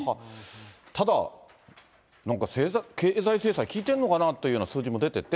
ただ、なんか経済制裁効いてるのかなという、数字も出てて。